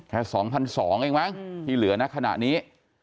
แค่๒๒๐๐บาทเองไหมที่เหลือนะขณะนี้